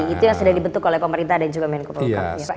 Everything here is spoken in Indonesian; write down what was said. itu yang sudah dibentuk oleh pemerintah dan juga menko polhukam